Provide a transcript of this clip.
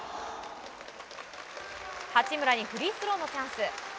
八村にフリースローのチャンス。